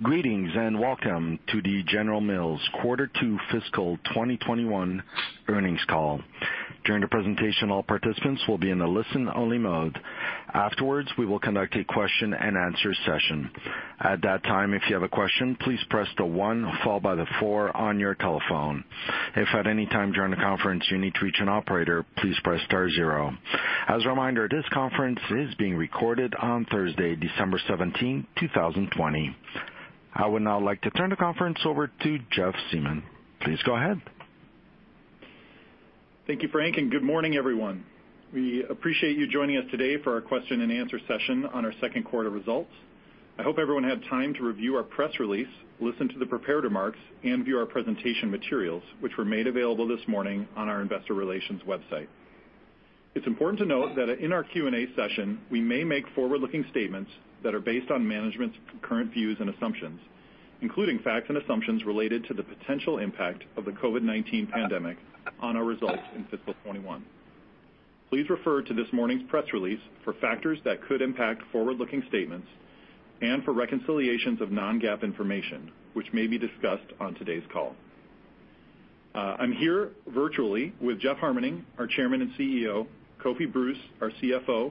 Greetings, and welcome to the General Mills quarter two fiscal 2021 earnings call. During the presentation, all participants will be in a listen-only mode. Afterwards, we will conduct a question and answer session. At that time, if you have a question, please press the one followed by the four on your telephone. If at any time during the conference you need to reach an operator, please press star zero. As a reminder, this conference is being recorded on Thursday, December 17, 2020. I would now like to turn the conference over to Jeff Siemon. Please go ahead. Thank you, Frank. Good morning, everyone. We appreciate you joining us today for our question and answer session on our second quarter results. I hope everyone had time to review our press release, listen to the prepared remarks, and view our presentation materials, which were made available this morning on our investor relations website. It's important to note that in our Q&A session, we may make forward-looking statements that are based on management's current views and assumptions, including facts and assumptions related to the potential impact of the COVID-19 pandemic on our results in fiscal 2021. Please refer to this morning's press release for factors that could impact forward-looking statements and for reconciliations of non-GAAP information, which may be discussed on today's call. I'm here virtually with Jeff Harmening, our Chairman and CEO, Kofi Bruce, our CFO,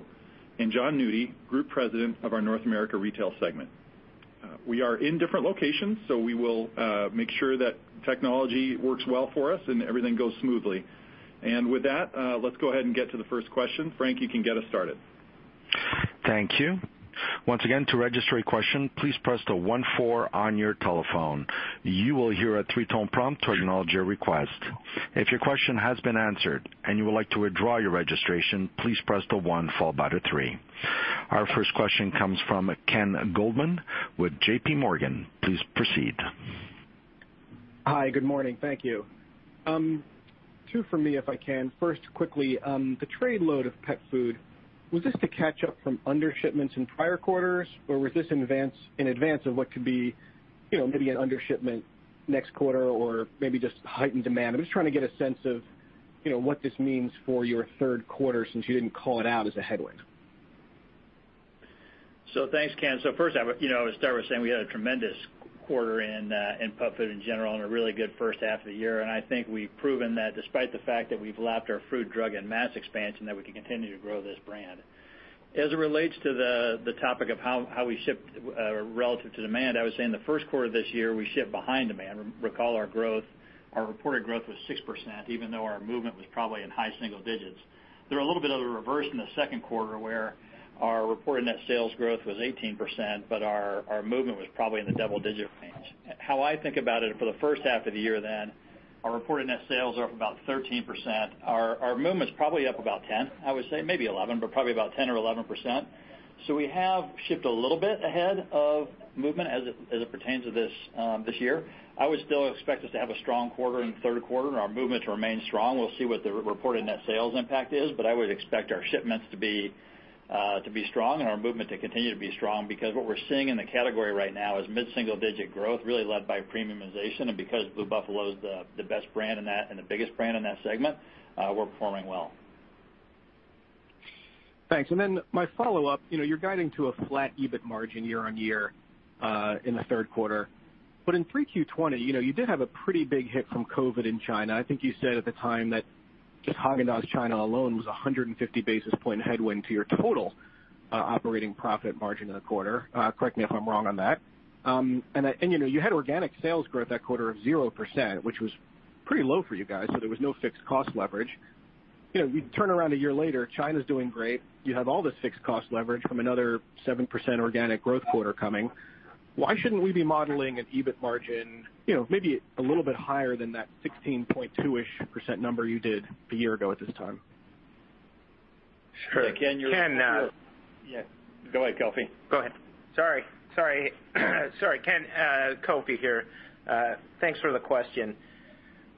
and Jon Nudi, Group President of our North America retail segment. We are in different locations, so we will make sure that technology works well for us and everything goes smoothly. With that, let's go ahead and get to the first question. Frank, you can get us started. Thank you. Once again, to register a question, please press the one-four on your telephone. You will hear a three-tone prompt to acknowledge your request. If your question has been answered and you would like to withdraw your registration, please press the one followed by the three. Our first question comes from Ken Goldman with JPMorgan. Please proceed. Hi, good morning. Thank you. Two from me, if I can. First, quickly, the trade load of pet food, was this to catch up from under shipments in prior quarters? Or was this in advance of what could be maybe an under shipment next quarter or maybe just heightened demand? I'm just trying to get a sense of what this means for your third quarter, since you didn't call it out as a headwind. Thanks, Ken. First, I would start by saying we had a tremendous quarter in pet food in general and a really good first half of the year. I think we've proven that despite the fact that we've lapped our food, drug, and mass expansion, that we can continue to grow this brand. As it relates to the topic of how we shipped relative to demand, I would say in the first quarter this year, we shipped behind demand. Recall our reported growth was 6%, even though our movement was probably in high single digits. There was a little bit of a reverse in the second quarter, where our reported net sales growth was 18%, but our movement was probably in the double-digit range. How I think about it for the first half of the year, our reported net sales are up about 13%. Our movement's probably up about 10%, I would say, maybe 11%, but probably about 10% or 11%. We have shipped a little bit ahead of movement as it pertains to this year. I would still expect us to have a strong quarter in the third quarter and our movement to remain strong. We'll see what the reported net sales impact is, but I would expect our shipments to be strong and our movement to continue to be strong because what we're seeing in the category right now is mid-single digit growth really led by premiumization and because Blue Buffalo is the best brand and the biggest brand in that segment, we're performing well. Thanks. My follow-up, you're guiding to a flat EBIT margin year-on-year in the third quarter. In Q3 2020, you did have a pretty big hit from COVID in China. I think you said at the time that just Häagen-Dazs China alone was 150 basis points headwind to your total operating profit margin in the quarter. Correct me if I'm wrong on that. You had organic sales growth that quarter of 0%, which was pretty low for you guys, so there was no fixed cost leverage. You turn around a year later, China's doing great. You have all this fixed cost leverage from another 7% organic growth quarter coming. Why shouldn't we be modeling an EBIT margin maybe a little bit higher than that 16.2%-ish number you did a year ago at this time? Sure. Ken. Ken. Yeah. Go ahead, Kofi. Go ahead. Sorry. Ken, Kofi here. Thanks for the question.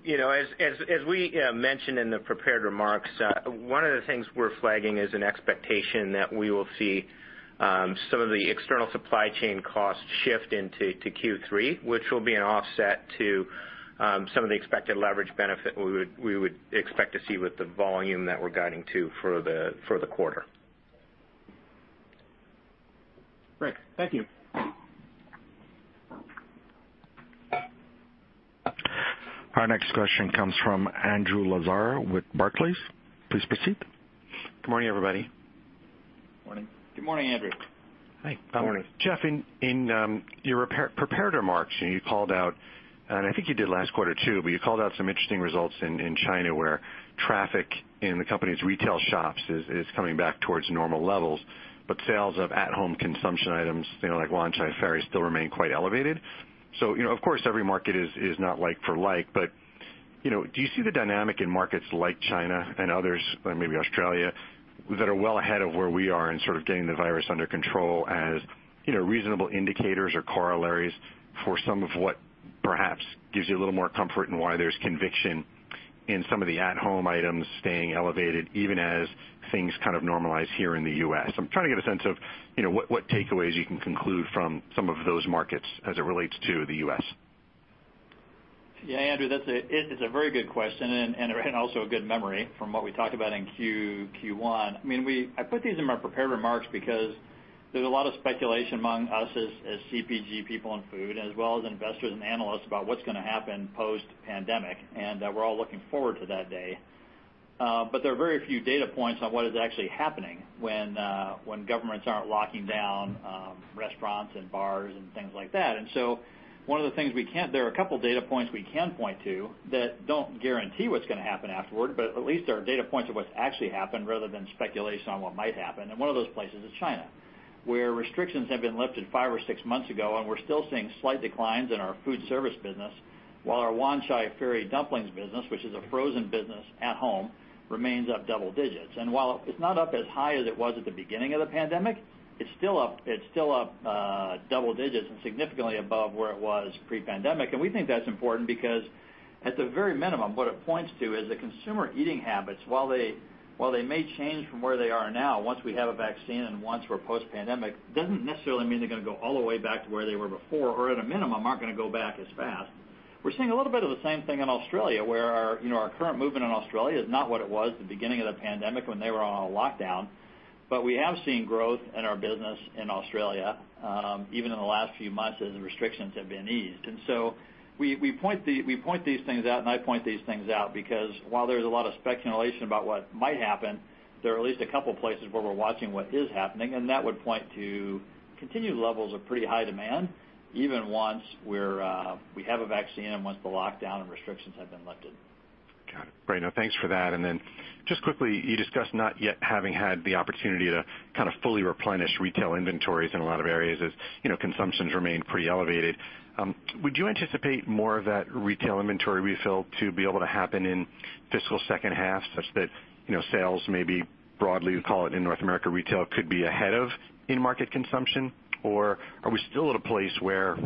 As we mentioned in the prepared remarks, one of the things we're flagging is an expectation that we will see some of the external supply chain costs shift into Q3, which will be an offset to some of the expected leverage benefit we would expect to see with the volume that we're guiding to for the quarter. Great. Thank you. Our next question comes from Andrew Lazar with Barclays. Please proceed. Good morning, everybody. Morning. Good morning, Andrew. Hi. Morning. Jeff, in your prepared remarks, you called out, and I think you did last quarter, too, but you called out some interesting results in China, where traffic in the company's retail shops is coming back towards normal levels, but sales of at-home consumption items like Wanchai Ferry still remain quite elevated. Of course, every market is not like for like, but do you see the dynamic in markets like China and others, or maybe Australia, that are well ahead of where we are in sort of getting the virus under control as reasonable indicators or corollaries for some of what perhaps gives you a little more comfort in why there's conviction in some of the at-home items staying elevated even as things kind of normalize here in the U.S.? I'm trying to get a sense of what takeaways you can conclude from some of those markets as it relates to the U.S. Yeah, Andrew, that's a very good question and also a good memory from what we talked about in Q1. I put these in my prepared remarks because there's a lot of speculation among us as CPG people in food, as well as investors and analysts, about what's going to happen post-pandemic. We're all looking forward to that day. There are very few data points on what is actually happening when governments aren't locking down restaurants and bars and things like that. There are a couple data points we can point to that don't guarantee what's going to happen afterward, but at least they are data points of what's actually happened rather than speculation on what might happen, and one of those places is China, where restrictions have been lifted five or six months ago, and we're still seeing slight declines in our food service business, while our Wanchai Ferry dumplings business, which is a frozen business at home, remains up double digits. While it's not up as high as it was at the beginning of the pandemic, it's still up double digits and significantly above where it was pre-pandemic. We think that's important because, at the very minimum, what it points to is that consumer eating habits, while they may change from where they are now, once we have a vaccine and once we're post-pandemic, doesn't necessarily mean they're going to go all the way back to where they were before or, at a minimum, aren't going to go back as fast. We're seeing a little bit of the same thing in Australia where our current movement in Australia is not what it was at the beginning of the pandemic when they were on a lockdown. We have seen growth in our business in Australia even in the last few months as the restrictions have been eased. We point these things out, and I point these things out because while there's a lot of speculation about what might happen, there are at least a couple places where we're watching what is happening, and that would point to continued levels of pretty high demand even once we have a vaccine and once the lockdown and restrictions have been lifted. Got it. Great. Thanks for that, Just quickly, you discussed not yet having had the opportunity to kind of fully replenish retail inventories in a lot of areas as consumptions remain pretty elevated. Would you anticipate more of that retail inventory refill to be able to happen in fiscal second half such that sales may be broadly, we call it in North America Retail, could be ahead of in-market consumption? Are we still at a place where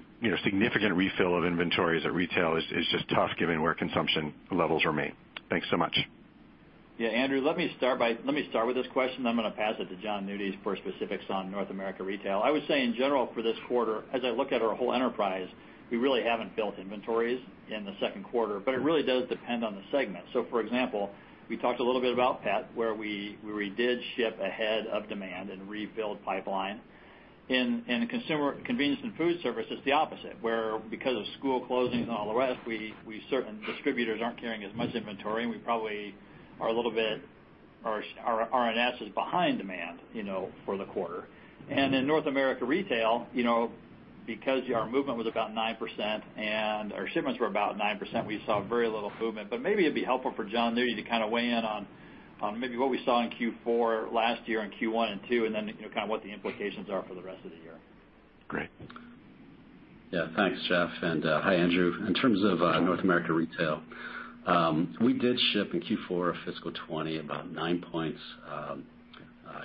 significant refill of inventories at retail is just tough given where consumption levels remain? Thanks so much. Andrew, let me start with this question, then I'm going to pass it to Jon Nudi for specifics on North America Retail. I would say in general for this quarter, as I look at our whole enterprise, we really haven't built inventories in the second quarter, but it really does depend on the segment. For example, we talked a little bit about pet, where we did ship ahead of demand and refilled pipeline. In Consumer Convenience and Food Service, it's the opposite, where because of school closings and all the rest, certain distributors aren't carrying as much inventory, and our R&S is behind demand for the quarter. In North America Retail, because our movement was about 9% and our shipments were about 9%, we saw very little movement. Maybe it'd be helpful for Jon there, you to kind of weigh in on maybe what we saw in Q4 last year and Q1 and 2, and then kind of what the implications are for the rest of the year. Great. Thanks, Jeff, and hi, Andrew. In terms of North America Retail, we did ship in Q4 of fiscal 2020 about nine points,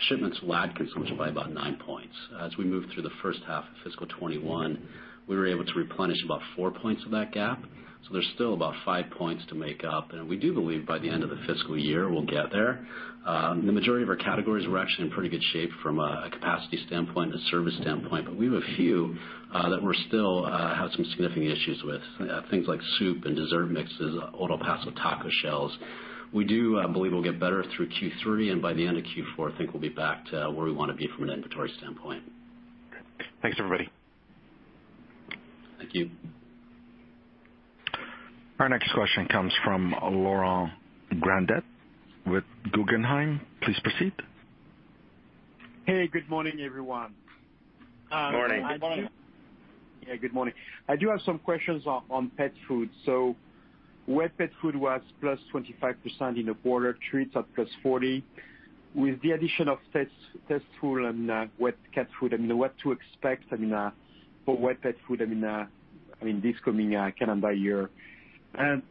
shipments lagged consumption by about nine points. As we moved through the first half of fiscal 2021, we were able to replenish about four points of that gap. There's still about five points to make up, and we do believe by the end of the fiscal year we'll get there. The majority of our categories were actually in pretty good shape from a capacity standpoint and a service standpoint, but we have a few that we still have some significant issues with, things like soup and dessert mixes, Old El Paso taco shells. We do believe we'll get better through Q3, and by the end of Q4, I think we'll be back to where we want to be from an inventory standpoint. Great. Thanks, everybody. Thank you. Our next question comes from Laurent Grandet with Guggenheim. Please proceed. Hey, good morning, everyone. Morning. Morning. Good morning. I do have some questions on pet food. Wet pet food was +25% in the quarter, treats at +40%. With the addition of Tastefuls and wet cat food, what to expect for wet pet food in this coming calendar year?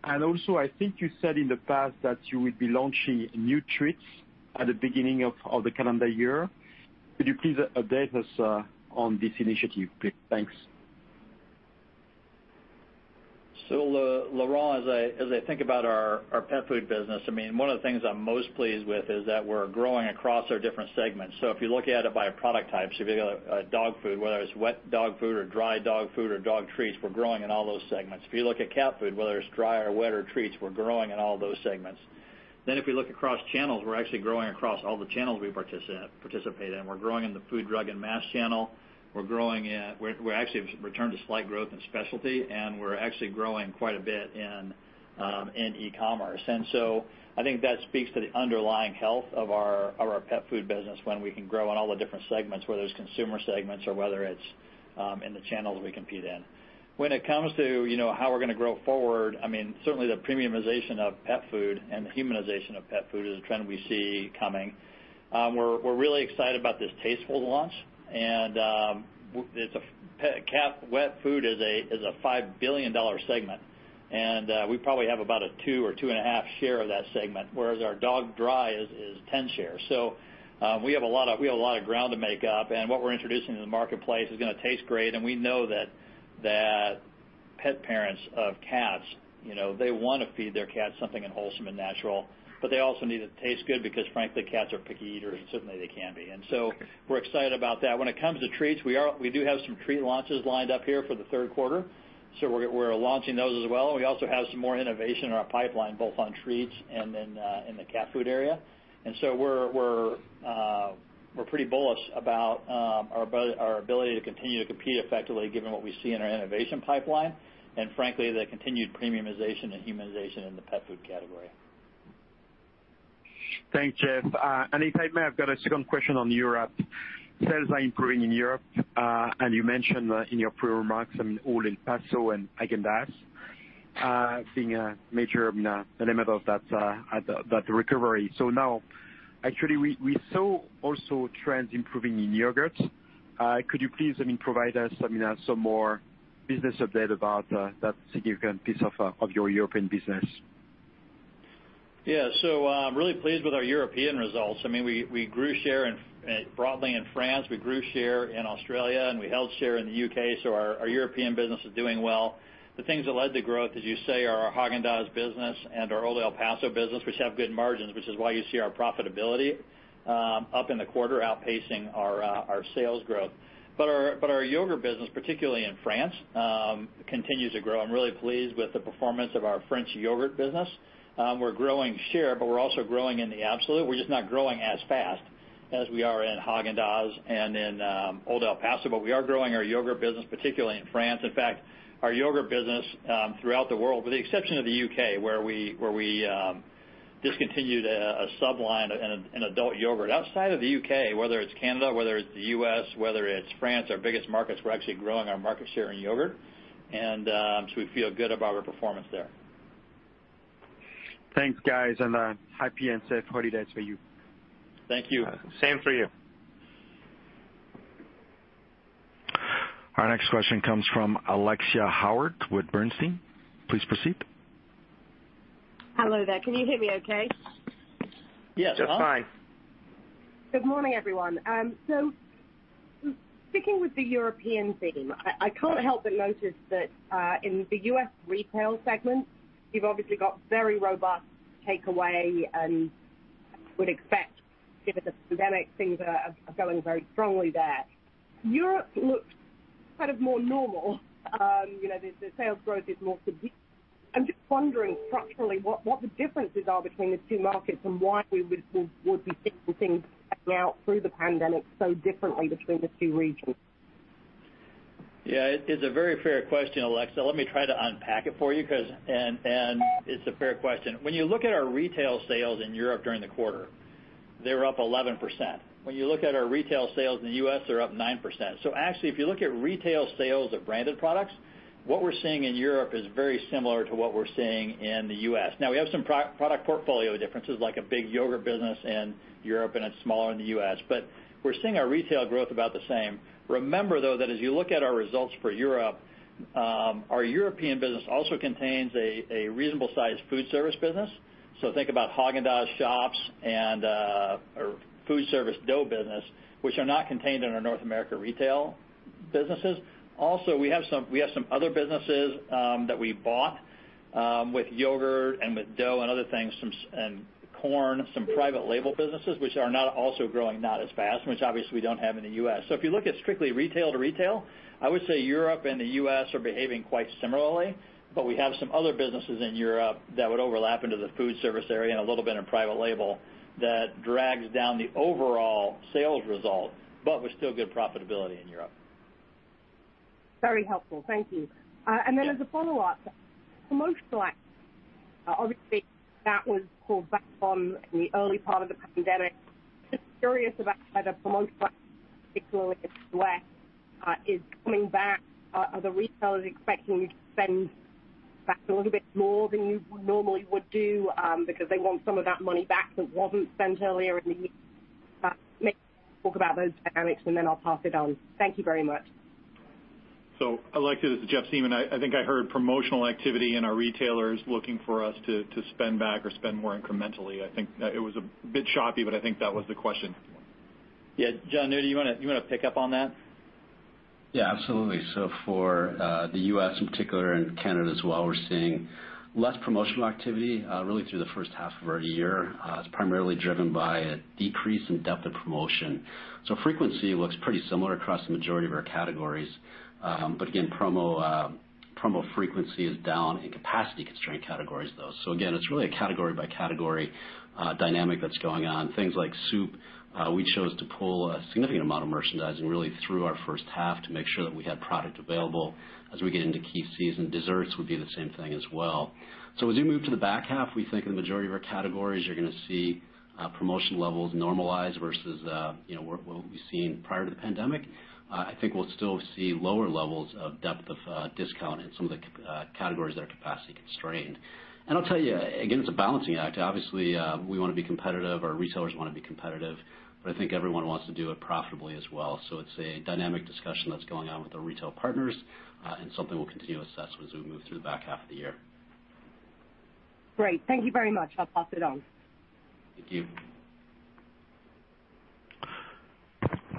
Also, I think you said in the past that you would be launching new treats at the beginning of the calendar year. Could you please update us on this initiative, please? Thanks. Laurent, as I think about our pet food business, one of the things I'm most pleased with is that we're growing across our different segments. If you look at it by product types, if you go dog food, whether it's wet dog food or dry dog food or dog treats, we're growing in all those segments. If you look at cat food, whether it's dry or wet or treats, we're growing in all those segments. If we look across channels, we're actually growing across all the channels we participate in. We're growing in the food, drug, and mass channel. We're actually returned to slight growth in specialty, and we're actually growing quite a bit in e-commerce. I think that speaks to the underlying health of our pet food business when we can grow in all the different segments, whether it's consumer segments or whether it's in the channels we compete in. When it comes to how we're going to grow forward, certainly the premiumization of pet food and the humanization of pet food is a trend we see coming. We're really excited about this Tastefuls launch, and cat wet food is a $5 billion segment, and we probably have about a 2 or 2.5 share of that segment, whereas our dog dry is 10 share. We have a lot of ground to make up, what we're introducing in the marketplace is going to taste great, we know that pet parents of cats, they want to feed their cats something that wholesome and natural, they also need it to taste good because frankly, cats are picky eaters, certainly they can be. We're excited about that. When it comes to treats, we do have some treat launches lined up here for the third quarter. We're launching those as well. We also have some more innovation in our pipeline, both on treats and in the cat food area. We're pretty bullish about our ability to continue to compete effectively given what we see in our innovation pipeline, frankly, the continued premiumization and humanization in the pet food category. Thanks, Jeff. If I may, I've got a second question on Europe. Sales are improving in Europe, and you mentioned in your pre-remarks, Old El Paso and Häagen-Dazs being a major element of that recovery. Now, actually, we saw also trends improving in yogurt. Could you please provide us some more business update about that significant piece of your European business? Yeah. I'm really pleased with our European results. We grew share broadly in France, we grew share in Australia, and we held share in the U.K., so our European business is doing well. The things that led to growth, as you say, are our Häagen-Dazs business and our Old El Paso business, which have good margins, which is why you see our profitability up in the quarter outpacing our sales growth. Our yogurt business, particularly in France, continues to grow. I'm really pleased with the performance of our French yogurt business. We're growing share, but we're also growing in the absolute. We're just not growing as fast as we are in Häagen-Dazs and in Old El Paso. We are growing our yogurt business, particularly in France. In fact, our yogurt business throughout the world, with the exception of the U.K., where we discontinued a sub-line, an adult yogurt. Outside of the U.K., whether it's Canada, whether it's the U.S., whether it's France, our biggest markets, we're actually growing our market share in yogurt, and so we feel good about our performance there. Thanks, guys, and happy and safe holidays for you. Thank you. Same for you. Our next question comes from Alexia Howard with Bernstein. Please proceed. Hello there. Can you hear me okay? Yes. Just fine. Good morning, everyone. Sticking with the European theme, I can't help but notice that in the U.S. retail segment, you've obviously got very robust takeaway and would expect given the pandemic, things are going very strongly there. Europe looks kind of more normal. The sales growth is more subdued. I'm just wondering structurally what the differences are between the two markets and why we would be seeing things play out through the pandemic so differently between the two regions? Yeah, it is a very fair question, Alexia. Let me try to unpack it for you. It's a fair question. When you look at our retail sales in Europe during the quarter, they were up 11%. When you look at our retail sales in the U.S., they're up 9%. Actually, if you look at retail sales of branded products, what we're seeing in Europe is very similar to what we're seeing in the U.S. We have some product portfolio differences, like a big yogurt business in Europe and it's smaller in the U.S. We're seeing our retail growth about the same. Remember, though, that as you look at our results for Europe, our European business also contains a reasonable-sized food service business. Think about Häagen-Dazs shops and our food service dough business, which are not contained in our North America retail businesses. Also, we have some other businesses that we bought with yogurt and with dough and other things, some canned corn, some private label businesses, which are not also growing, not as fast, and which obviously we don't have in the U.S. If you look at strictly retail to retail, I would say Europe and the U.S. are behaving quite similarly. We have some other businesses in Europe that would overlap into the food service area and a little bit in private label that drags down the overall sales result, but with still good profitability in Europe. Very helpful. Thank you. As a follow-up, promotional activity, obviously that was pulled back on in the early part of the pandemic. Just curious about whether promotional activity, particularly in the U.S., is coming back. Are the retailers expecting you to spend back a little bit more than you normally would do because they want some of that money back that wasn't spent earlier in the year? Maybe talk about those dynamics. I'll pass it on. Thank you very much. Alexia, this is Jeff Siemon. I think I heard promotional activity in our retailers looking for us to spend back or spend more incrementally. I think it was a bit choppy, I think that was the question. Yeah. Jon Nudi, you want to pick up on that? Yeah, absolutely. For the U.S. in particular, and Canada as well, we're seeing less promotional activity really through the first half of our year. It's primarily driven by a decrease in depth of promotion. Frequency looks pretty similar across the majority of our categories. Again, promo frequency is down in capacity-constrained categories, though. Again, it's really a category by category dynamic that's going on. Things like soup, we chose to pull a significant amount of merchandising really through our first half to make sure that we had product available as we get into key season. Desserts would be the same thing as well. As we move to the back half, we think in the majority of our categories, you're going to see promotion levels normalize versus what we've seen prior to the pandemic. I think we'll still see lower levels of depth of discount in some of the categories that are capacity constrained. I'll tell you, again, it's a balancing act. Obviously, we want to be competitive, our retailers want to be competitive, but I think everyone wants to do it profitably as well. It's a dynamic discussion that's going on with our retail partners and something we'll continue to assess as we move through the back half of the year. Great. Thank you very much. I'll pass it on. Thank you.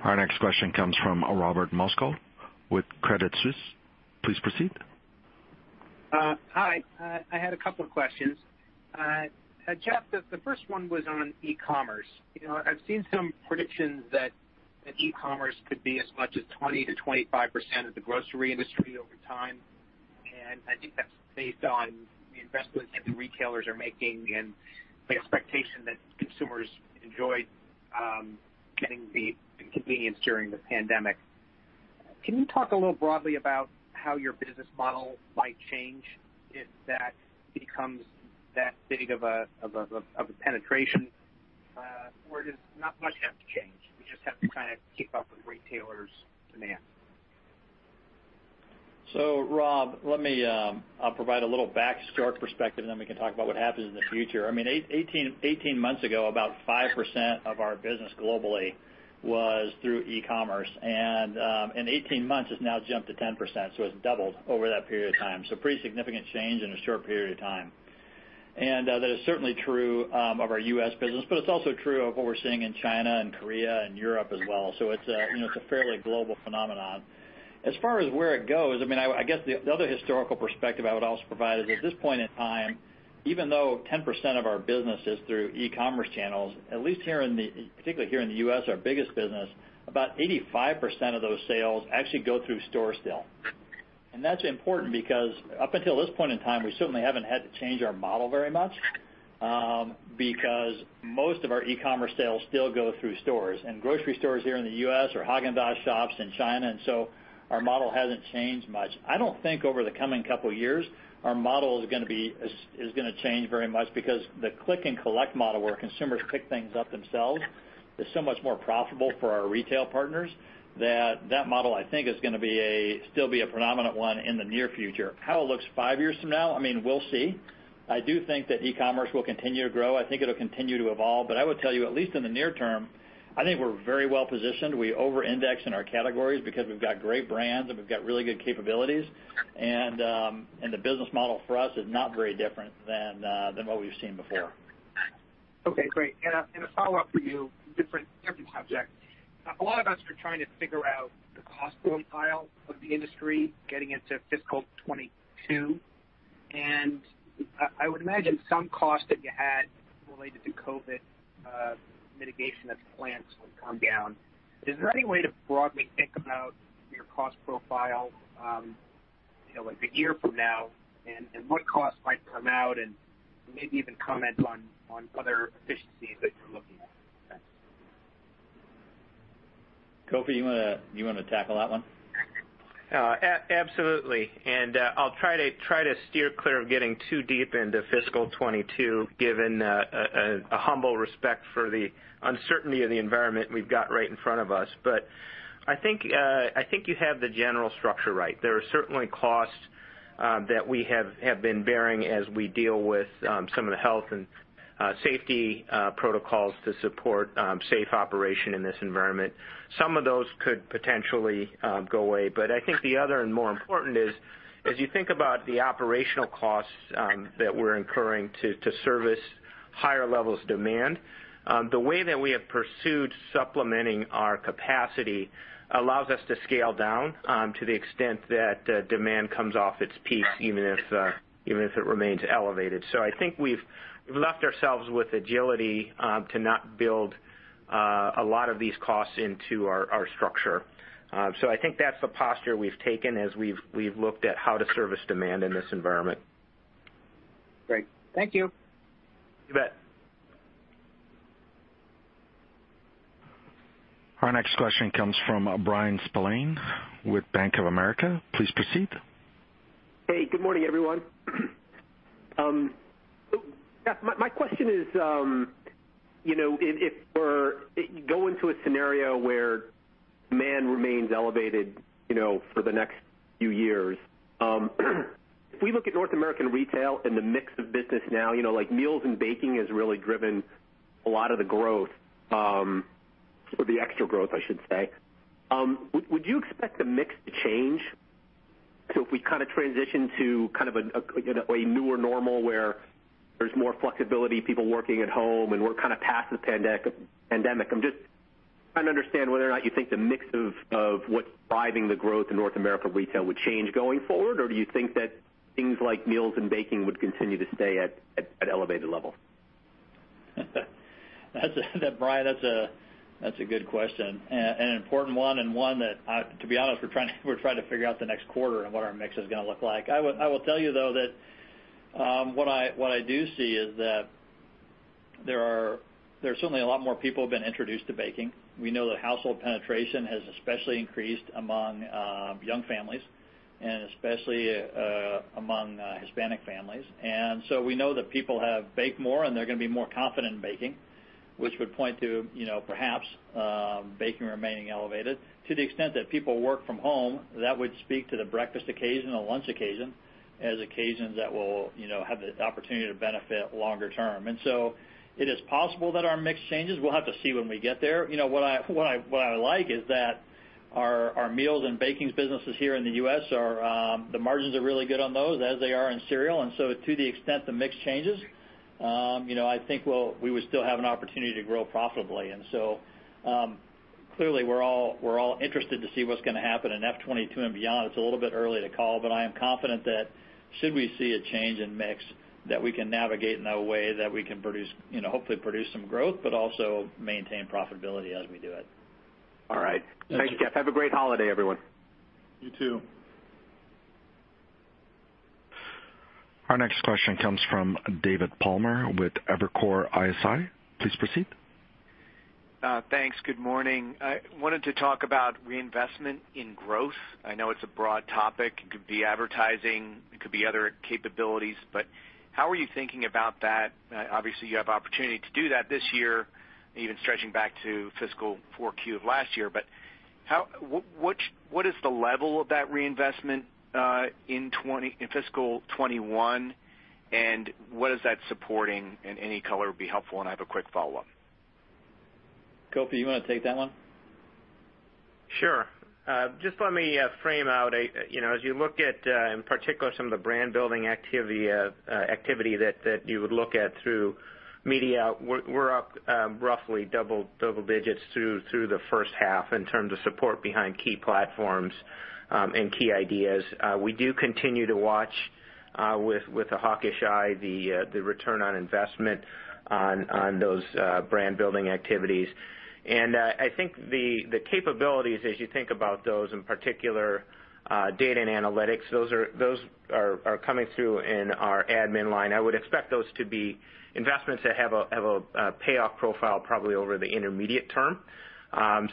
Our next question comes from Robert Moskow with Credit Suisse. Please proceed. Hi. I had a couple of questions. Jeff, the first one was on e-commerce. I've seen some predictions that e-commerce could be as much as 20%-25% of the grocery industry over time, and I think that's based on the investments that the retailers are making and the expectation that consumers enjoyed getting the convenience during the pandemic. Can you talk a little broadly about how your business model might change if that becomes that big of a penetration? Does not much have to change, we just have to kind of keep up with retailers' demand? Rob, let me provide a little backstory perspective, and then we can talk about what happens in the future. 18 months ago, about 5% of our business globally was through e-commerce. In 18 months, it's now jumped to 10%, so it's doubled over that period of time. Pretty significant change in a short period of time. That is certainly true of our U.S. business, but it's also true of what we're seeing in China and Korea and Europe as well. It's a fairly global phenomenon. As far as where it goes, I guess the other historical perspective I would also provide is at this point in time, even though 10% of our business is through e-commerce channels, at least particularly here in the U.S., our biggest business, about 85% of those sales actually go through store still. That's important because up until this point in time, we certainly haven't had to change our model very much because most of our e-commerce sales still go through stores and grocery stores here in the U.S. or Häagen-Dazs shops in China, our model hasn't changed much. I don't think over the coming couple of years, our model is going to change very much because the click and collect model where consumers pick things up themselves is so much more profitable for our retail partners that that model, I think is going to still be a predominant one in the near future. How it looks five years from now, we'll see. I do think that e-commerce will continue to grow. I think it'll continue to evolve, I would tell you, at least in the near term, I think we're very well positioned. We over-index in our categories because we've got great brands and we've got really good capabilities. The business model for us is not very different than what we've seen before. Okay, great. A follow-up for you, different subject. A lot of us are trying to figure out the cost profile of the industry getting into fiscal 2022, and I would imagine some cost that you had related to COVID mitigation at the plants will come down. Is there any way to broadly think about your cost profile a year from now and what cost might come out, and maybe even comment on other efficiencies that you're looking at? Thanks. Kofi, you want to tackle that one? Absolutely. I'll try to steer clear of getting too deep into fiscal 2022, given a humble respect for the uncertainty of the environment we've got right in front of us. I think you have the general structure right. There are certainly costs that we have been bearing as we deal with some of the health and safety protocols to support safe operation in this environment. Some of those could potentially go away, but I think the other and more important is, as you think about the operational costs that we're incurring to service higher levels of demand, the way that we have pursued supplementing our capacity allows us to scale down to the extent that demand comes off its peak, even if it remains elevated. I think we've left ourselves with agility to not build a lot of these costs into our structure. I think that's the posture we've taken as we've looked at how to service demand in this environment. Great. Thank you. You bet. Our next question comes from Bryan Spillane with Bank of America. Please proceed. Hey, good morning, everyone. Jeff, my question is, if we're going to a scenario where demand remains elevated for the next few years, if we look at North American retail and the mix of business now, like meals and baking has really driven a lot of the growth, or the extra growth, I should say. Would you expect the mix to change? If we kind of transition to a newer normal where there's more flexibility, people working at home, and we're kind of past the pandemic, I'm just trying to understand whether or not you think the mix of what's driving the growth in North America retail would change going forward, or do you think that things like meals and baking would continue to stay at elevated levels? Bryan, that's a good question and an important one, and one that, to be honest, we're trying to figure out the next quarter and what our mix is going to look like. I will tell you, though, that what I do see is that there are certainly a lot more people who have been introduced to baking. We know that household penetration has especially increased among young families and especially among Hispanic families. We know that people have baked more, and they're going to be more confident in baking, which would point to perhaps baking remaining elevated. To the extent that people work from home, that would speak to the breakfast occasion or lunch occasion as occasions that will have the opportunity to benefit longer term. It is possible that our mix changes. We'll have to see when we get there. What I like is that our meals and bakings businesses here in the U.S., the margins are really good on those as they are in cereal, and so to the extent the mix changes, I think we would still have an opportunity to grow profitably. Clearly, we're all interested to see what's going to happen in FY 2022 and beyond. It's a little bit early to call, but I am confident that should we see a change in mix, that we can navigate in a way that we can hopefully produce some growth, but also maintain profitability as we do it. All right. Thank you, Jeff. Have a great holiday, everyone. You, too. Our next question comes from David Palmer with Evercore ISI. Please proceed. Thanks. Good morning. I wanted to talk about reinvestment in growth. I know it's a broad topic. It could be advertising, it could be other capabilities, but how are you thinking about that? Obviously, you have opportunity to do that this year, even stretching back to fiscal 4Q of last year. What is the level of that reinvestment in fiscal 2021, and what is that supporting? Any color would be helpful, and I have a quick follow-up. Kofi, you want to take that one? Sure. Just let me frame out. As you look at, in particular, some of the brand-building activity that you would look at through media, we're up roughly double digits through the first half in terms of support behind key platforms and key ideas. We do continue to watch with a hawkish eye the ROI on those brand-building activities. I think the capabilities, as you think about those, in particular data and analytics, those are coming through in our admin line. I would expect those to be investments that have a payoff profile probably over the intermediate term.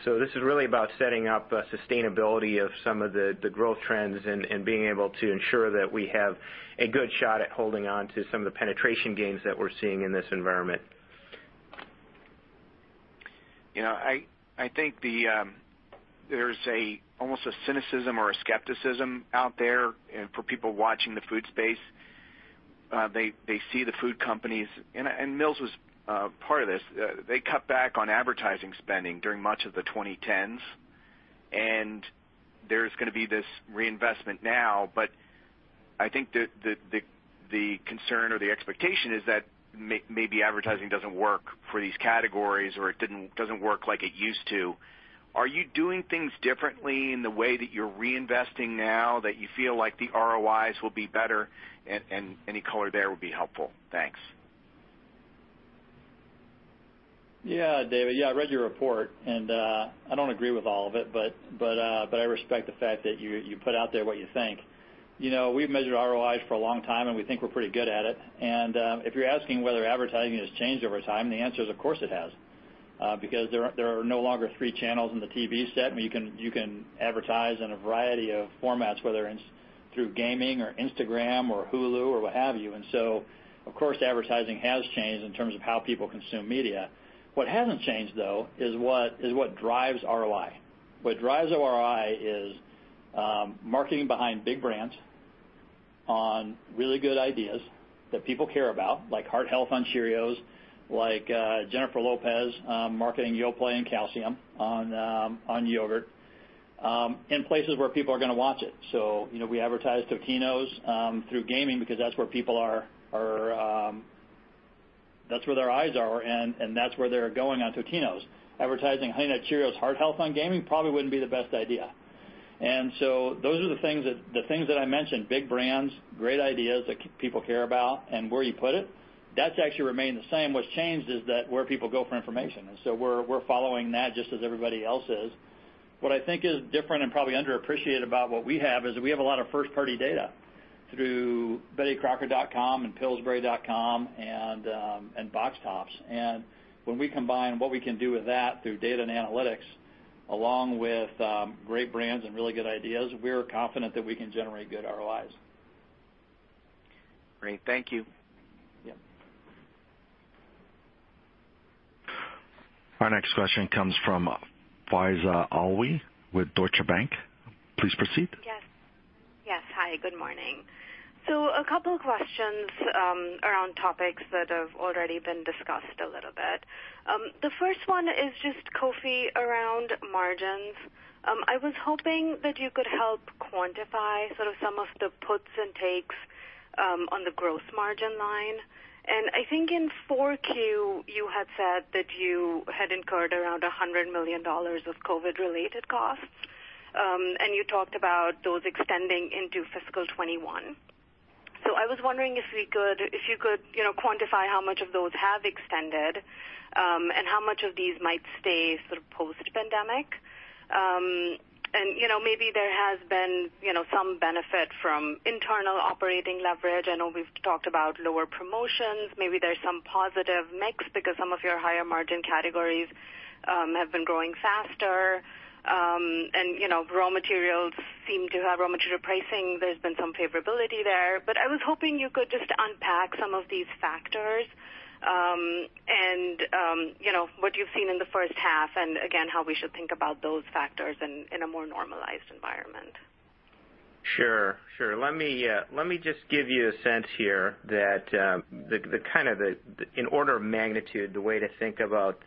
This is really about setting up sustainability of some of the growth trends and being able to ensure that we have a good shot at holding onto some of the penetration gains that we're seeing in this environment. I think there's almost a cynicism or a skepticism out there for people watching the food space. They see the food companies, and Mills was part of this. They cut back on advertising spending during much of the 2010s, and there's going to be this reinvestment now. I think the concern or the expectation is that maybe advertising doesn't work for these categories, or it doesn't work like it used to. Are you doing things differently in the way that you're reinvesting now that you feel like the ROIs will be better? Any color there would be helpful. Thanks. Yeah, David. I read your report, and I don't agree with all of it, but I respect the fact that you put out there what you think. We've measured ROIs for a long time, and we think we're pretty good at it. If you're asking whether advertising has changed over time, the answer is, of course, it has, because there are no longer three channels in the TV set, and you can advertise in a variety of formats, whether it's through gaming or Instagram or Hulu or what have you. Of course, advertising has changed in terms of how people consume media. What hasn't changed, though, is what drives ROI. What drives ROI is marketing behind big brands on really good ideas that people care about, like heart health on Cheerios, like Jennifer Lopez marketing Yoplait and calcium on yogurt, in places where people are going to watch it. We advertise Totino's through gaming because that's where their eyes are, and that's where they're going on Totino's. Advertising Honey Nut Cheerios' heart health on gaming probably wouldn't be the best idea. Those are the things that I mentioned, big brands, great ideas that people care about, and where you put it, that's actually remained the same. What's changed is that where people go for information, and so we're following that just as everybody else is. What I think is different and probably underappreciated about what we have is we have a lot of first-party data through bettycrocker.com and pillsbury.com and Box Tops. When we combine what we can do with that through data and analytics, along with great brands and really good ideas, we are confident that we can generate good ROIs. Great. Thank you. Yeah. Our next question comes from Faiza Alwy with Deutsche Bank. Please proceed. Yes. Hi, good morning. A couple questions around topics that have already been discussed a little bit. The first one is just, Kofi, around margins. I was hoping that you could help quantify some of the puts and takes on the gross margin line. I think in 4Q, you had said that you had incurred around $100 million of COVID-19-related costs, and you talked about those extending into fiscal 2021. I was wondering if you could quantify how much of those have extended and how much of these might stay post-pandemic. Maybe there has been some benefit from internal operating leverage. I know we've talked about lower promotions. Maybe there's some positive mix because some of your higher margin categories have been growing faster, and raw materials seem to have raw material pricing. There's been some favorability there. I was hoping you could just unpack some of these factors and what you've seen in the first half, and again, how we should think about those factors in a more normalized environment. Sure. Let me just give you a sense here that in order of magnitude, the way to think about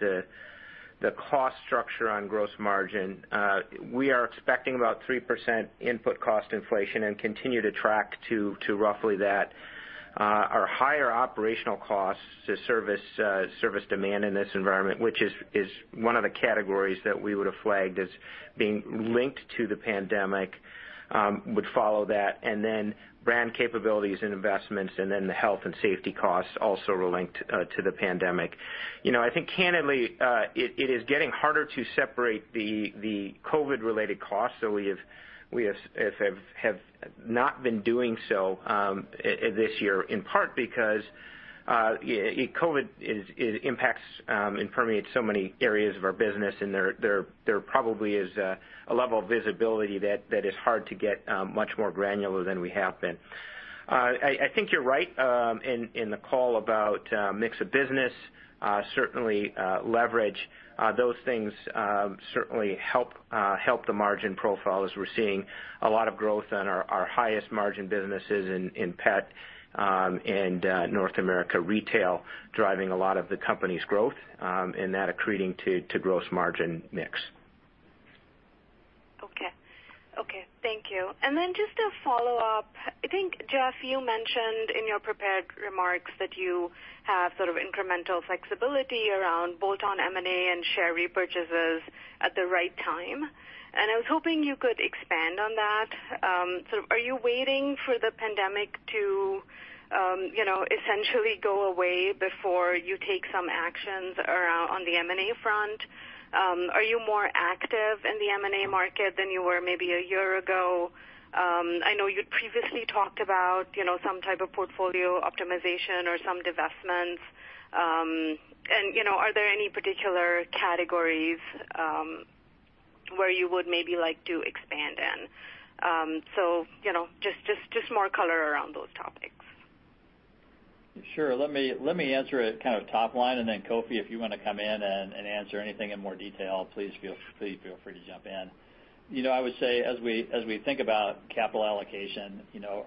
the cost structure on gross margin, we are expecting about 3% input cost inflation and continue to track to roughly that. Our higher operational costs to service demand in this environment, which is one of the categories that we would have flagged as being linked to the pandemic would follow that, and then brand capabilities and investments, and then the health and safety costs also were linked to the pandemic. I think candidly it is getting harder to separate the COVID-related costs, so we have not been doing so this year, in part because COVID impacts and permeates so many areas of our business and there probably is a level of visibility that is hard to get much more granular than we have been. I think you're right in the call about mix of business, certainly leverage, those things certainly help the margin profile as we're seeing a lot of growth in our highest margin businesses in pet and North America Retail driving a lot of the company's growth and that accreting to gross margin mix. Okay. Thank you. Then just a follow-up. I think, Jeff, you mentioned in your prepared remarks that you have sort of incremental flexibility around bolt-on M&A and share repurchases at the right time, and I was hoping you could expand on that. Are you waiting for the pandemic to essentially go away before you take some actions around on the M&A front? Are you more active in the M&A market than you were maybe a year ago? I know you'd previously talked about some type of portfolio optimization or some divestments. Are there any particular categories where you would maybe like to expand in? Just more color around those topics. Sure. Let me answer it top line, and then Kofi, if you want to come in and answer anything in more detail, please feel free to jump in. I would say as we think about capital allocation,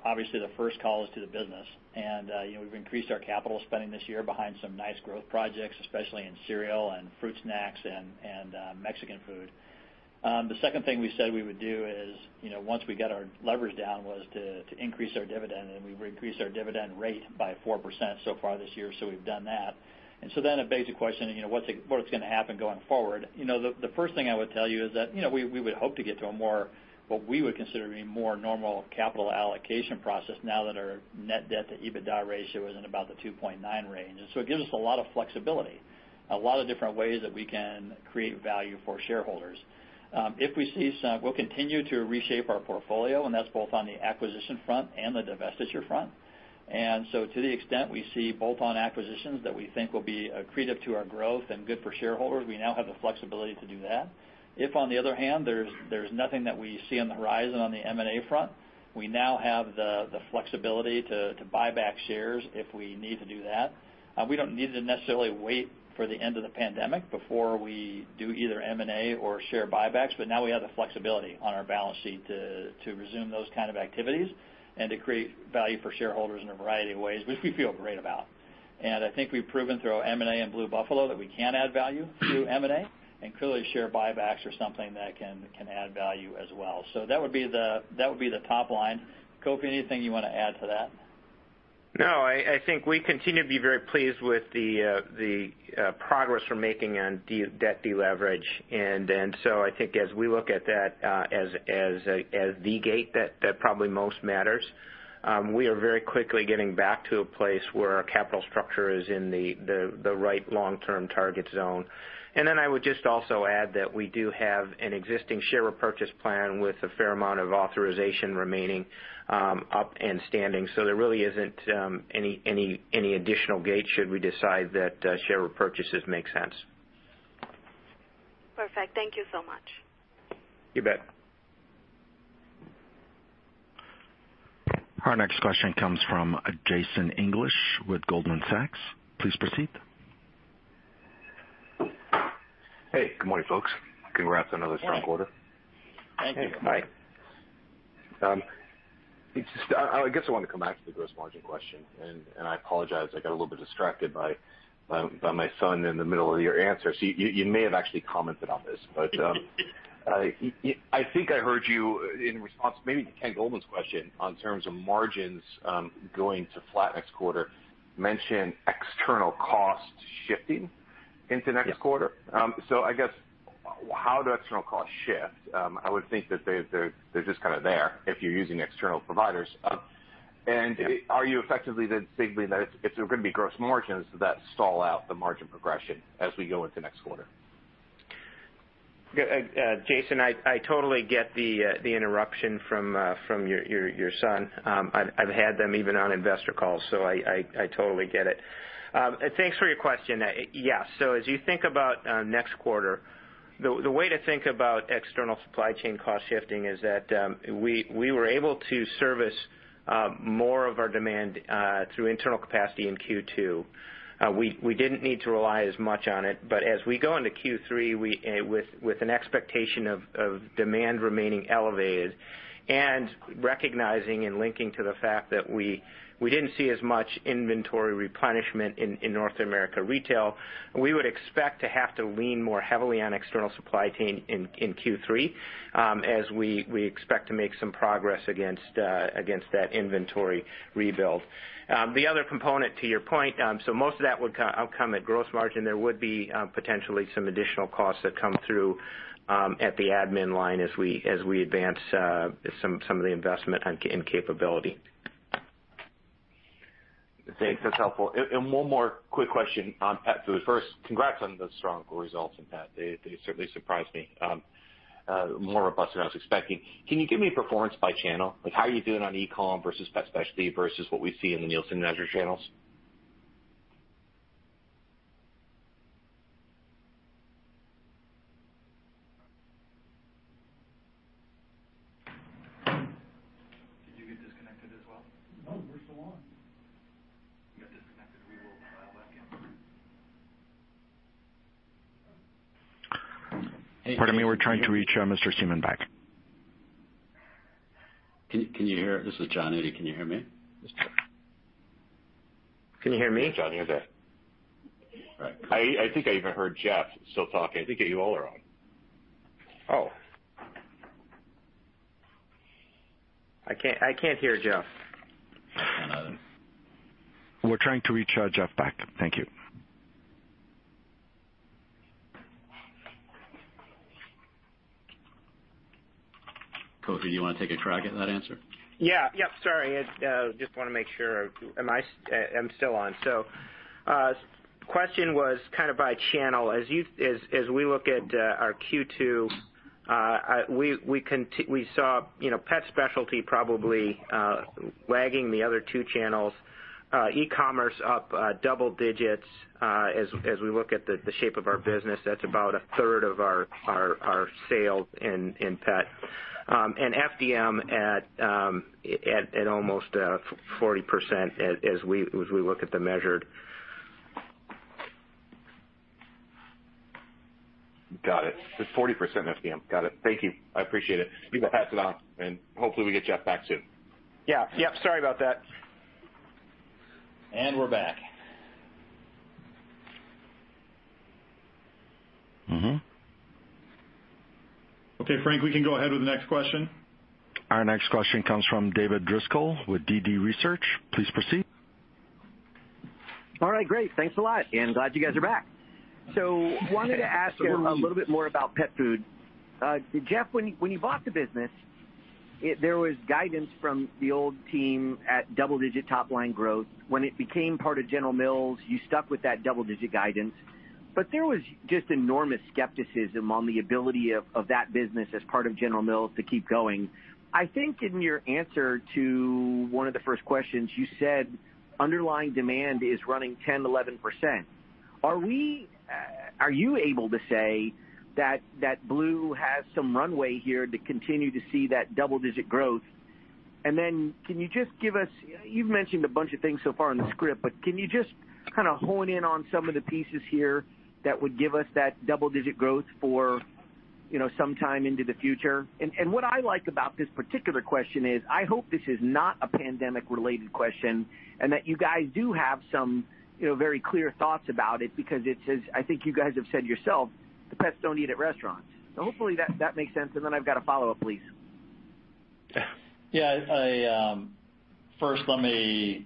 obviously the first call is to the business, and we've increased our capital spending this year behind some nice growth projects, especially in cereal and fruit snacks and Mexican food. The second thing we said we would do is, once we got our leverage down, was to increase our dividend, and we've increased our dividend rate by 4% so far this year, so we've done that. It begs the question, what is going to happen going forward? The first thing I would tell you is that we would hope to get to a more, what we would consider a more normal capital allocation process now that our net debt to EBITDA ratio is in about the 2.9 range. It gives us a lot of flexibility, a lot of different ways that we can create value for shareholders. We'll continue to reshape our portfolio, and that's both on the acquisition front and the divestiture front. To the extent we see bolt-on acquisitions that we think will be accretive to our growth and good for shareholders, we now have the flexibility to do that. If on the other hand, there's nothing that we see on the horizon on the M&A front, we now have the flexibility to buy back shares if we need to do that. We don't need to necessarily wait for the end of the pandemic before we do either M&A or share buybacks, but now we have the flexibility on our balance sheet to resume those kind of activities and to create value for shareholders in a variety of ways, which we feel great about. I think we've proven through M&A and Blue Buffalo that we can add value through M&A and clearly share buybacks are something that can add value as well. That would be the top line. Kofi, anything you want to add to that? No, I think we continue to be very pleased with the progress we're making on debt deleverage. I think as we look at that as the gate that probably most matters, we are very quickly getting back to a place where our capital structure is in the right long-term target zone. I would just also add that we do have an existing share repurchase plan with a fair amount of authorization remaining up and standing. There really isn't any additional gate should we decide that share repurchases make sense. Perfect. Thank you so much. You bet. Our next question comes from Jason English with Goldman Sachs. Please proceed. Hey, good morning, folks. Congrats on another strong quarter. Thank you. Hi. I guess I wanted to come back to the gross margin question, and I apologize, I got a little bit distracted by my son in the middle of your answer. You may have actually commented on this, but I think I heard you in response maybe to Ken Goldman's question on terms of margins going to flat next quarter mention external costs shifting into next quarter. Yes. I guess how do external costs shift? I would think that they're just kind of there if you're using external providers. Are you effectively then signaling that if there are going to be gross margins that stall out the margin progression as we go into next quarter? Jason, I totally get the interruption from your son. I've had them even on investor calls, so I totally get it. Thanks for your question. As you think about next quarter, the way to think about external supply chain cost shifting is that we were able to service more of our demand through internal capacity in Q2. We didn't need to rely as much on it, but as we go into Q3 with an expectation of demand remaining elevated and recognizing and linking to the fact that we didn't see as much inventory replenishment in North America retail, we would expect to have to lean more heavily on external supply chain in Q3 as we expect to make some progress against that inventory rebuild. The other component to your point so most of that would come at gross margin. There would be potentially some additional costs that come through at the admin line as we advance some of the investment in capability. Thanks. That's helpful. One more quick question on pet food. First, congrats on the strong results in pet. They certainly surprised me. More robust than I was expecting. Can you give me performance by channel? Like, how are you doing on e-com versus pet specialty versus what we see in the Nielsen measured channels? Did you get disconnected as well? No, we're still on. You got disconnected. We will dial back in. Pardon me. We're trying to reach Mr. Siemon back. Can you hear? This is Jon Nudi. Can you hear me? Can you hear me, Jon? You're back. All right. I think I even heard Jeff still talking. I think you all are on. Oh. I can't hear Jeff. I can either. We're trying to reach Jeff back. Thank you. Kofi, do you want to take a crack at that answer? Yeah. Sorry, just want to make sure I'm still on. Question was kind of by channel. As we look at our Q2, we saw pet specialty probably lagging the other two channels, e-commerce up double digits. As we look at the shape of our business, that's about a third of our sale in pet. FDM at almost 40% as we look at the measured. Got it. It's 40% FDM. Got it. Thank you. I appreciate it. You can pass it on, and hopefully we get Jeff back soon. Yeah. Sorry about that. We're back. Okay, Frank, we can go ahead with the next question. Our next question comes from David Driscoll with DD Research. Please proceed. All right, great. Thanks a lot. Glad you guys are back. Wanted to ask a little bit more about pet food. Jeff, when you bought the business, there was guidance from the old team at double-digit top-line growth. When it became part of General Mills, you stuck with that double-digit guidance. There was just enormous skepticism on the ability of that business as part of General Mills to keep going. I think in your answer to one of the first questions, you said underlying demand is running 10%, 11%. Are you able to say that Blue has some runway here to continue to see that double-digit growth? You've mentioned a bunch of things so far in the script, but can you just kind of hone in on some of the pieces here that would give us that double-digit growth for sometime into the future? What I like about this particular question is I hope this is not a pandemic-related question and that you guys do have some very clear thoughts about it because it says, I think you guys have said yourself, the pets don't eat at restaurants. Hopefully that makes sense. I've got a follow-up, please. Yeah. First, let me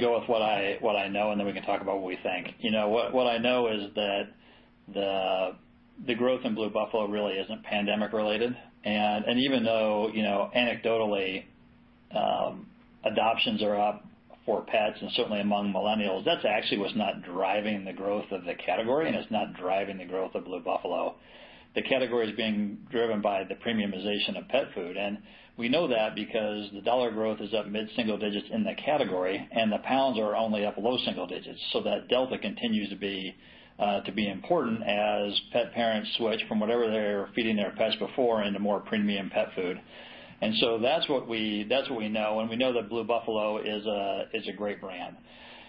go with what I know, and then we can talk about what we think. What I know is that the growth in Blue Buffalo really isn't pandemic related. Even though anecdotally, adoptions are up for pets, and certainly among millennials, that's actually what's not driving the growth of the category, and it's not driving the growth of Blue Buffalo. The category is being driven by the premiumization of pet food, and we know that because the dollar growth is up mid-single digits in the category, and the pounds are only up low single digits. That delta continues to be important as pet parents switch from whatever they were feeding their pets before into more premium pet food. That's what we know. We know that Blue Buffalo is a great brand.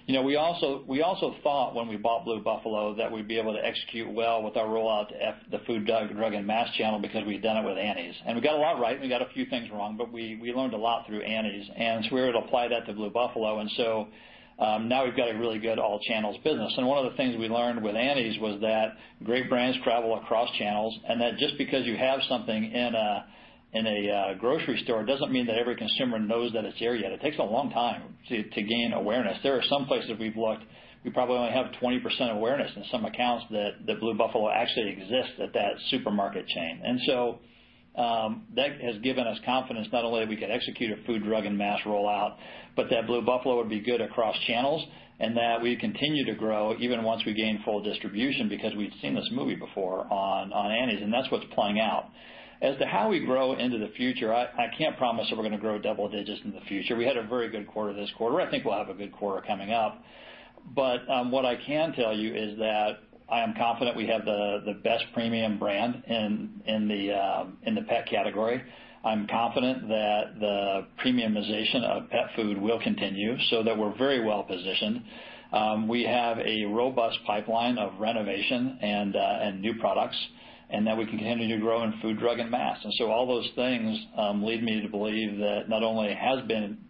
We also thought when we bought Blue Buffalo that we'd be able to execute well with our rollout at the food, drug, and mass channel because we'd done it with Annie's. We got a lot right, and we got a few things wrong, but we learned a lot through Annie's, and so we were able to apply that to Blue Buffalo. Now we've got a really good all channels business. One of the things we learned with Annie's was that great brands travel across channels, and that just because you have something in a grocery store doesn't mean that every consumer knows that it's there yet. It takes a long time to gain awareness. There are some places we've looked, we probably only have 20% awareness in some accounts that Blue Buffalo actually exists at that supermarket chain. That has given us confidence not only we could execute a food, drug, and mass rollout, but that Blue Buffalo would be good across channels and that we continue to grow even once we gain full distribution because we've seen this movie before on Annie's, and that's what's playing out. As to how we grow into the future, I can't promise that we're going to grow double digits in the future. We had a very good quarter this quarter. I think we'll have a good quarter coming up. What I can tell you is that I am confident we have the best premium brand in the pet category. I'm confident that the premiumization of pet food will continue so that we're very well positioned. We have a robust pipeline of renovation and new products, and that we continue to grow in food, drug, and mass. All those things lead me to believe that not only has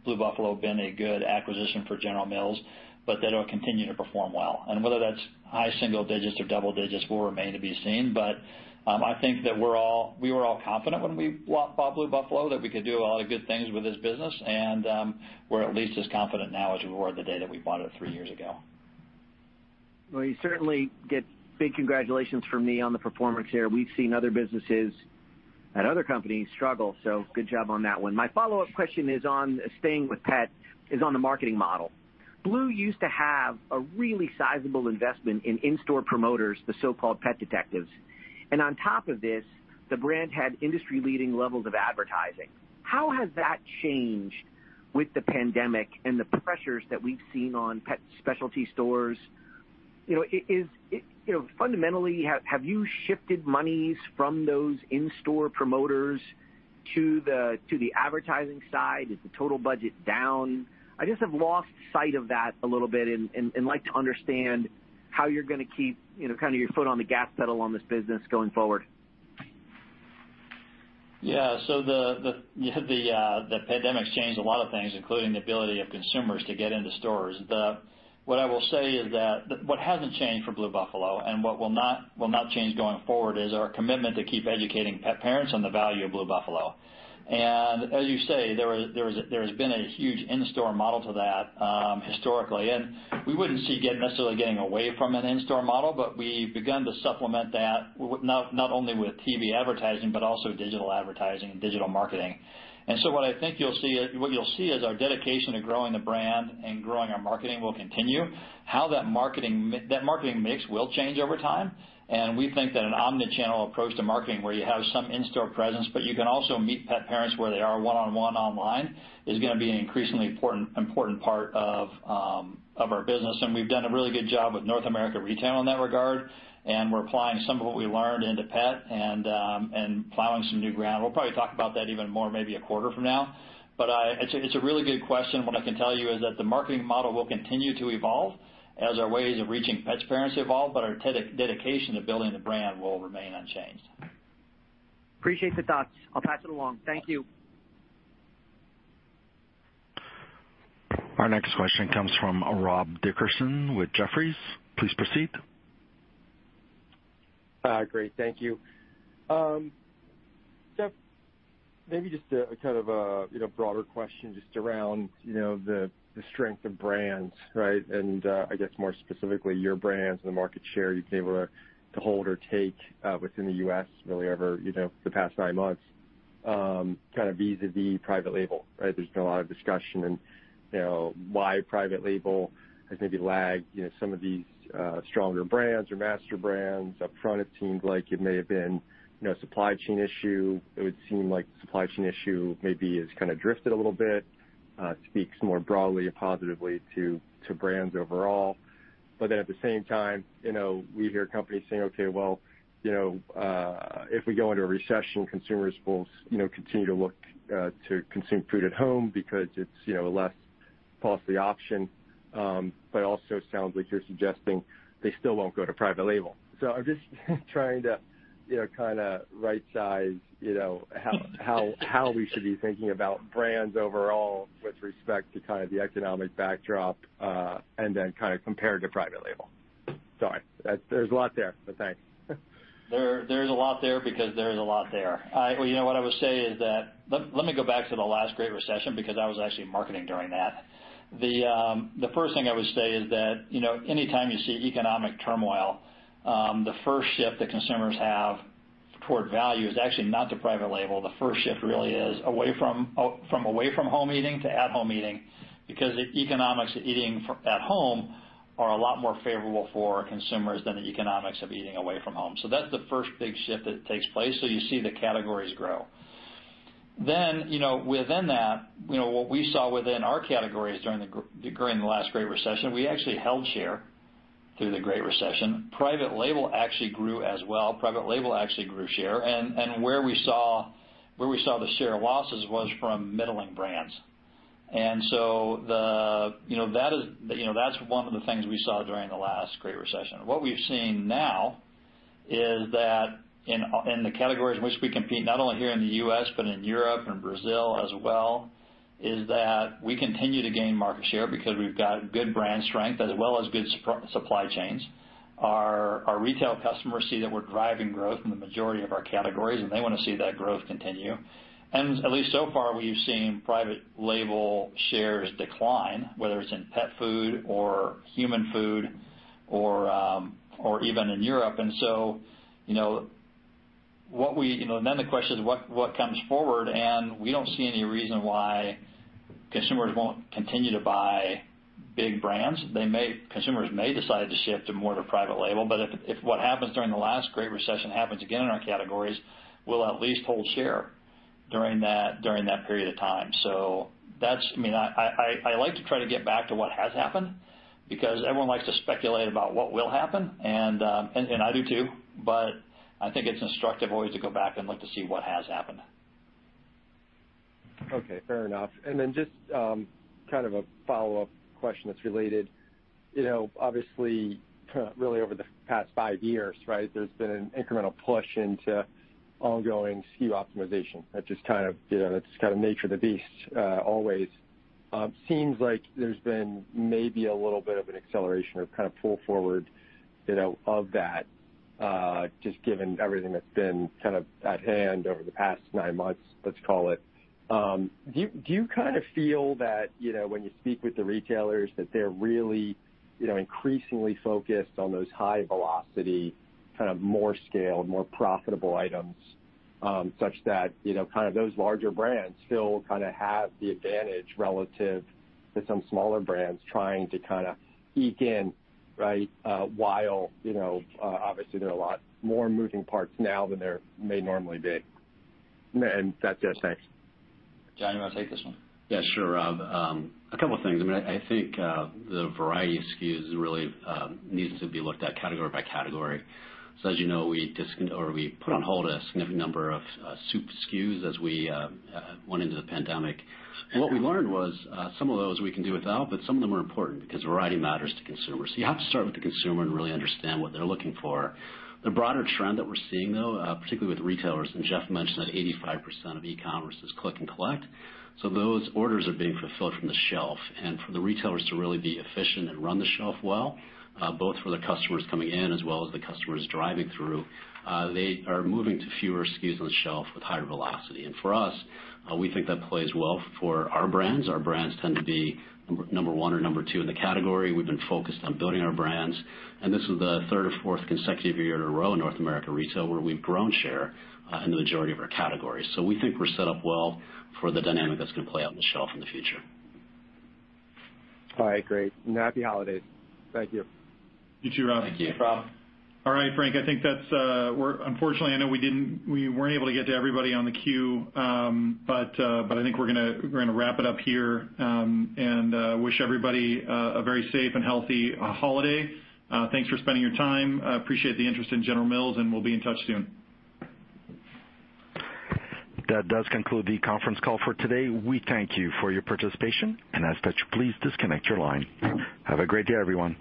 Blue Buffalo been a good acquisition for General Mills, but that it will continue to perform well. Whether that's high single digits or double digits will remain to be seen. I think that we were all confident when we bought Blue Buffalo that we could do a lot of good things with this business, and we're at least as confident now as we were the day that we bought it three years ago. Well, you certainly get big congratulations from me on the performance here. We've seen other businesses at other companies struggle, so good job on that one. My follow-up question, staying with pet, is on the marketing model. Blue used to have a really sizable investment in in-store promoters, the so-called pet detectives. On top of this, the brand had industry-leading levels of advertising. How has that changed with the pandemic and the pressures that we've seen on pet specialty stores? Fundamentally, have you shifted monies from those in-store promoters to the advertising side? Is the total budget down? I just have lost sight of that a little bit and like to understand how you're going to keep your foot on the gas pedal on this business going forward. The pandemic's changed a lot of things, including the ability of consumers to get into stores. What I will say is that what hasn't changed for Blue Buffalo, and what will not change going forward, is our commitment to keep educating pet parents on the value of Blue Buffalo. As you say, there has been a huge in-store model to that historically, and we wouldn't see necessarily getting away from an in-store model, but we've begun to supplement that not only with TV advertising, but also digital advertising and digital marketing. What I think you'll see is our dedication to growing the brand and growing our marketing will continue. How that marketing mix will change over time, and we think that an omni-channel approach to marketing where you have some in-store presence, but you can also meet pet parents where they are one-on-one online, is going to be an increasingly important part of our business. We've done a really good job with North America Retail in that regard, and we're applying some of what we learned into pet and plowing some new ground. We'll probably talk about that even more maybe a quarter from now. It's a really good question. What I can tell you is that the marketing model will continue to evolve as our ways of reaching pet parents evolve, but our dedication to building the brand will remain unchanged. Appreciate the thoughts. I'll pass it along. Thank you. Our next question comes from Rob Dickerson with Jefferies. Please proceed. Great. Thank you. Jeff, maybe just a broader question just around the strength of brands, right? I guess more specifically, your brands and the market share you've been able to hold or take within the U.S. really over the past nine months, vis-a-vis private label, right? There's been a lot of discussion in why private label has maybe lagged some of these stronger brands or master brands. Up front, it seemed like it may have been a supply chain issue. It would seem like the supply chain issue maybe has kind of drifted a little bit, speaks more broadly and positively to brands overall. At the same time, we hear companies saying, "Okay, well, if we go into a recession, consumers will continue to look to consume food at home because it's a less costly option." Also sounds like you're suggesting they still won't go to private label. I'm just trying to right size how we should be thinking about brands overall with respect to the economic backdrop, and then kind of compared to private label. Sorry. There's a lot there, but thanks. There's a lot there because there's a lot there. What I would say, let me go back to the last Great Recession, because I was actually in marketing during that. The first thing I would say is that anytime you see economic turmoil, the first shift that consumers have toward value is actually not to private label. The first shift really is from away from home eating to at home eating, because the economics of eating at home are a lot more favorable for consumers than the economics of eating away from home. That's the first big shift that takes place, so you see the categories grow. Within that, what we saw within our categories during the last Great Recession, we actually held share through the Great Recession. Private label actually grew as well. Private label actually grew share. Where we saw the share losses was from middling brands. That's one of the things we saw during the last great recession. What we've seen now is that in the categories in which we compete, not only here in the U.S., but in Europe and Brazil as well, is that we continue to gain market share because we've got good brand strength as well as good supply chains. Our retail customers see that we're driving growth in the majority of our categories, and they want to see that growth continue. At least so far, we've seen private label shares decline, whether it's in pet food or human food or even in Europe. Then the question is what comes forward, and we don't see any reason why consumers won't continue to buy big brands. Consumers may decide to shift to more to private label, but if what happens during the last Great Recession happens again in our categories, we'll at least hold share during that period of time. I like to try to get back to what has happened because everyone likes to speculate about what will happen, and I do too, but I think it's instructive always to go back and look to see what has happened. Okay, fair enough. Then just a follow-up question that's related. Obviously, really over the past five years, right, there's been an incremental push into ongoing SKU optimization, that's just kind of nature of the beast always. Seems like there's been maybe a little bit of an acceleration or kind of pull forward of that. Just given everything that's been at hand over the past nine months, let's call it. Do you feel that when you speak with the retailers that they're really increasingly focused on those high velocity, more scale, more profitable items, such that those larger brands still have the advantage relative to some smaller brands trying to eke in while obviously there are a lot more moving parts now than there may normally be? If that's it, thanks. Jon, you want to take this one? Yeah, sure, Rob. A couple of things. I think the variety of SKUs really needs to be looked at category by category. As you know, we put on hold a significant number of soup SKUs as we went into the pandemic. What we learned was some of those we can do without, but some of them are important because variety matters to consumers. You have to start with the consumer and really understand what they're looking for. The broader trend that we're seeing, though, particularly with retailers, and Jeff mentioned that 85% of e-commerce is click and collect, so those orders are being fulfilled from the shelf. For the retailers to really be efficient and run the shelf well, both for the customers coming in as well as the customers driving through, they are moving to fewer SKUs on the shelf with higher velocity. For us, we think that plays well for our brands. Our brands tend to be number one or number two in the category. We've been focused on building our brands. This is the third or fourth consecutive year in a row in North America retail where we've grown share in the majority of our categories. We think we're set up well for the dynamic that's going to play out on the shelf in the future. All right, great. Happy holidays. Thank you. You too, Rob. Thank you. Rob. All right, Frank, unfortunately, I know we weren't able to get to everybody on the queue. I think we're going to wrap it up here, and wish everybody a very safe and healthy holiday. Thanks for spending your time. Appreciate the interest in General Mills, and we'll be in touch soon. That does conclude the conference call for today. We thank you for your participation, and ask that you please disconnect your line. Have a great day, everyone.